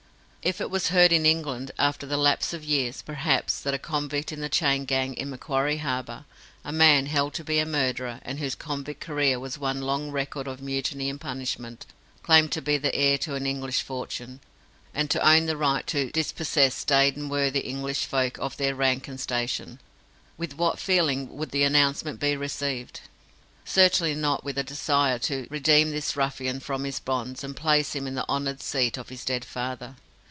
If it was heard in England after the lapse of years, perhaps that a convict in the chain gang in Macquarie Harbour a man held to be a murderer, and whose convict career was one long record of mutiny and punishment claimed to be the heir to an English fortune, and to own the right to dispossess staid and worthy English folk of their rank and station, with what feeling would the announcement be received? Certainly not with a desire to redeem this ruffian from his bonds and place him in the honoured seat of his dead father.